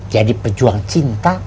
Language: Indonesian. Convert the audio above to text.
jadi pejuang cinta